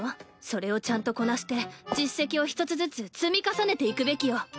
それをちゃんとこなして実績を一つずつ積み重ねていくべきよ。